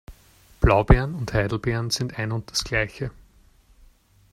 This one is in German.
Blaubeeren und Heidelbeeren sind ein und das Gleiche.